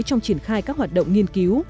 trong triển khai các hoạt động nghiên cứu